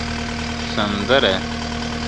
سندره ..